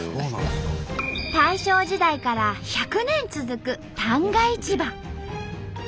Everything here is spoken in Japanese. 大正時代から１００年続く旦過市場。